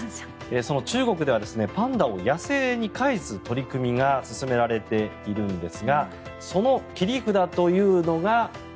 その中国ではパンダを野生に返す取り組みが進められているんですがその切り札というのが。